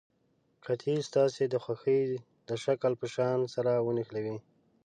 قطي ستاسې د خوښې د شکل په شان سره ونښلوئ.